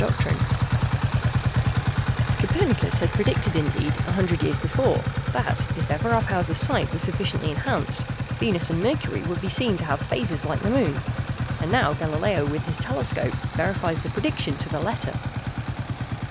] Copernicus had predicted, indeed, a hundred years before, that, if ever our powers of sight were sufficiently enhanced, Venus and Mercury would be seen to have phases like the moon. And now Galileo with his telescope verifies the prediction to the letter.